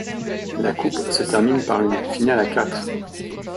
La coupe se termine par une finale à quatre.